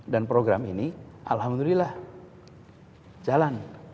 dan program ini alhamdulillah jalan